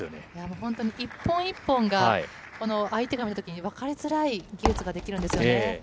本当に、一本一本が相手から見たときに、分かりづらい技術ができるんです